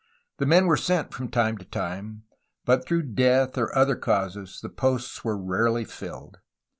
The men were sent from time to time, but through death or other causes the posts were rarely filled.